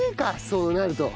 そうなると。